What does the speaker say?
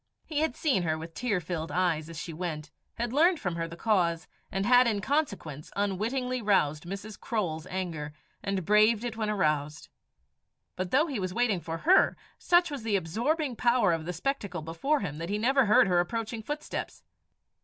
He had seen her with tear filled eyes as she went, had learned from her the cause, and had in consequence unwittingly roused Mrs. Croale's anger, and braved it when aroused. But though he was waiting for her, such was the absorbing power of the spectacle before him that he never heard her approaching footsteps.